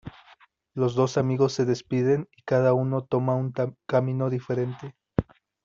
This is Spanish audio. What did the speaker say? Los dos amigos se despiden y cada uno toma un camino diferente.